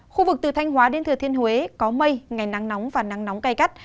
khu vực từ thanh hóa đến thừa thiên huế có mây ngày nắng nóng và nắng nóng cay gắt